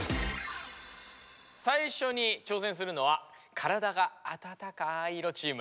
さいしょに挑戦するのは体があたたかい色チーム。